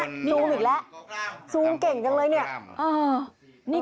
ชุดอยู่แล้วเสียงเก่งจังเลย